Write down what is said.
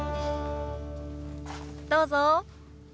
どうぞ。